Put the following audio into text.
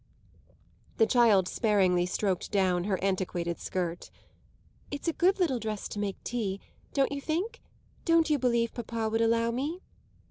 The child sparingly stroked down her antiquated skirt. "It's a good little dress to make tea don't you think? Don't you believe papa would allow me?"